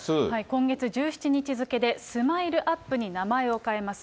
今月１７日付で、スマイルアップに名前を変えます。